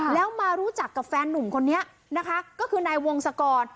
แล้วมารู้จักกับแฟนนุ่มคนนี้นะคะก็คือนายวงศกร